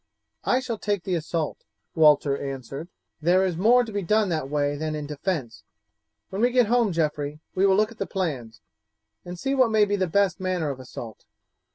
"I shall take the assault," Walter answered; "there is more to be done that way than in the defence. When we get home, Geoffrey, we will look at the plans, and see what may be the best manner of assault."